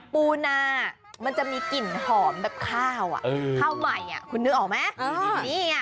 ปูนามันจะมีกลิ่นหอมแบบข้าวข้าวใหม่คุณนึกออกไหม